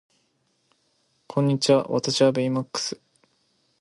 こんにちは私はベイマックス